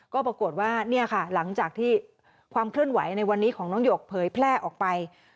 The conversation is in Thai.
ก็ปรากฏว่าเนี่ยค่ะหลังจากที่ความเคลื่อนไหวในวันนี้ของน้องหยกเผยแพร่ออกไป